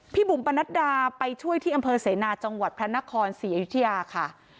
บุ๋มปนัดดาไปช่วยที่อำเภอเสนาจังหวัดพระนครศรีอยุธยาค่ะ